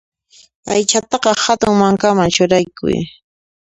Aychataqa hatun mankaman churaykuy.